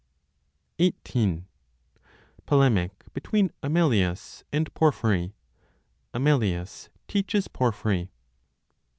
XVIII. POLEMIC BETWEEN AMELIUS AND PORPHYRY; AMELIUS TEACHES PORPHYRY.